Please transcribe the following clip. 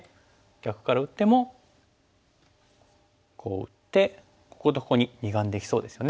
逆から打ってもこう打ってこことここに二眼できそうですよね。